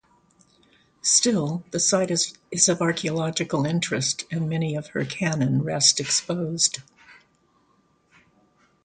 Still, the site is of archaeological interest and many of her cannon rest exposed.